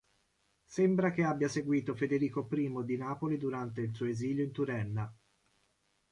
Sembra che abbia seguito Federico I di Napoli durante il suo esilio in Turenna.